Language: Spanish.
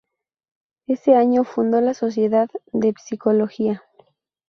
Ese año fundó la Sociedad de Psicología.